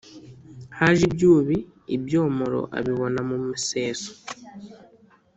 haje ibyubi ibyomoro abibona mu museso,